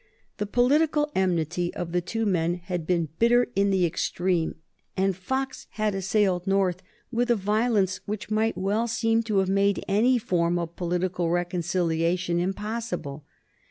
The political enmity of the two men had been bitter in the extreme, and Fox had assailed North with a violence which might well seem to have made any form of political reconciliation impossible.